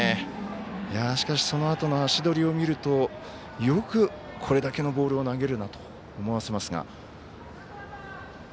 しかしそのあとの足取りを見るとよくこれだけのボールを投げるなと思わせますが。